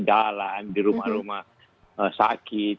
jalan di rumah rumah sakit